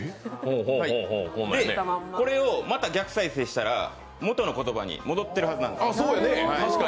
これをまた逆再生したら元の言葉に戻ってるはずなんです。